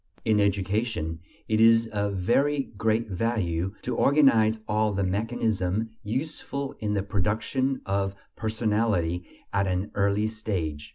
In education, it is of very great value to organize all the mechanism useful in the production of personality at an early stage.